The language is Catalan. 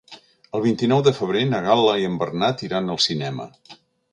El vint-i-nou de febrer na Gal·la i en Bernat iran al cinema.